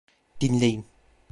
Dinleyin.